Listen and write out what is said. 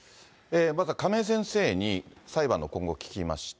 まずは亀井先生に、裁判の今後を聞きました。